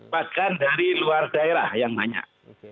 bahkan dari luar daerah yang banyak